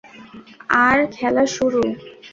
আর খেল শুরু।